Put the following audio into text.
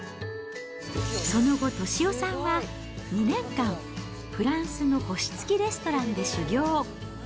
その後、俊雄さんは２年間、フランスの星付きレストランで修業。